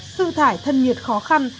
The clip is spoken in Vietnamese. sư thải thân nhiệt khó khăn